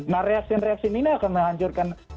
nah reagen reaction ini akan menghancurkan